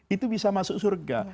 itu bisa masuk surga